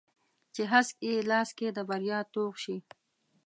چې هسک یې لاس کې د بریا توغ شي